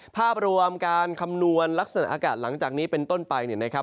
ภาพรวมการคำนวณลักษณะอากาศหลังจากนี้เป็นต้นไปเนี่ยนะครับ